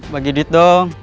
bagi dit dong